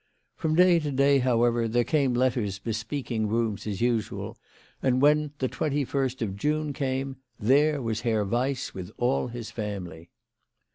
From day to day, however, there came letters bespeaking rooms as usual, and when the 21st of June came there was Herr Weiss with all his family.